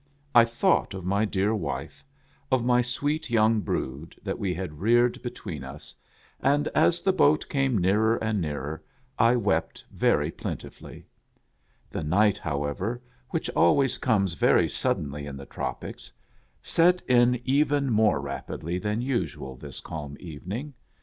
I thought of my dear wife ; of my sweet young brood, that we had reared between us ; and as the boat came nearer and nearer, I wept very plentifully. The night, however, which always comes very suddenly in the tropics, set in even more THE NEW SWISS FAMILY ROBINSON. THE FOREIGN VISITORS. rapidly than usual this calm evening.